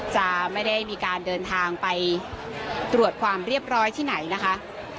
จะไม่ได้มีการเดินทางไปตรวจความเรียบร้อยที่ไหนนะคะ